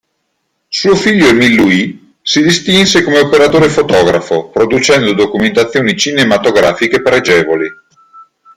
Suo figlio Émile-Louis si distinse come operatore fotografo, producendo documentazioni cinematografiche pregevoli.